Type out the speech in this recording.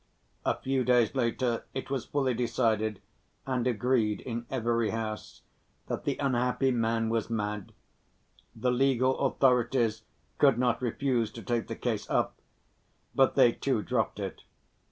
A few days later it was fully decided and agreed in every house that the unhappy man was mad. The legal authorities could not refuse to take the case up, but they too dropped it.